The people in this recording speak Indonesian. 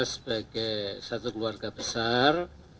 sebagai satu keluarga besar